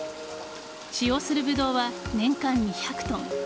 使用するブドウは年間２００ｔ。